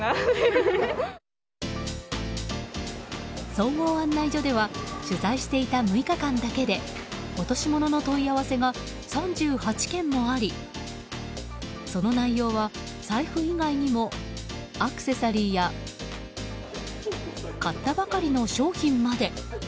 総合案内所では取材していた６日間だけで落とし物の問い合わせが３８件もありその内容は財布以外にもアクセサリーや買ったばかりの商品まで。